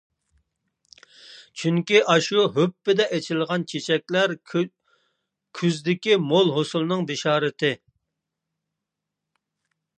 چۈنكى، ئاشۇ ھۈپپىدە ئېچىلغان چېچەكلەر كۈزدىكى مول ھوسۇلنىڭ بېشارىتى.